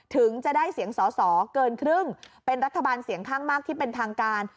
ถึงจะได้เสียงสอสอเกินครึ่งเป็นรัฐบาลเสียงข้างมากที่เป็นทางการ